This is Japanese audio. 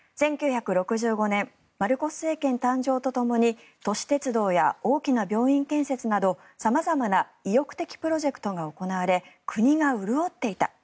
１９６５年マルコス政権誕生とともに都市鉄道や大きな病院建設など様々な意欲的プロジェクトが行われ国が潤っていた。